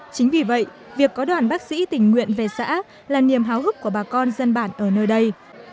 chính vì vậy việc có đoàn bác sĩ tình nguyện về xã là niềm háo hức của bà con dân bản ở nơi đây